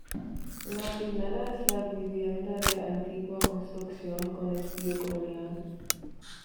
La primera es la vivienda de antigua construcción con estilo colonial.